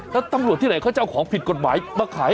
แล้วตำรวจที่ไหนเขาจะเอาของผิดกฎหมายมาขาย